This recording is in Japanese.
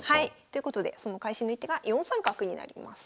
ということでその会心の一手が４三角になります。